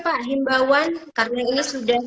pak himbauan karena ini sudah